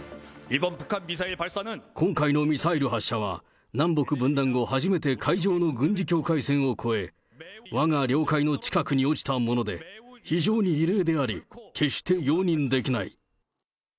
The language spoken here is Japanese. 今回のミサイル発射は、南北分断後初めて、海上の軍事境界線を越え、わが領海の近くに落ちたもので、非常に異例であり、決して容認できない。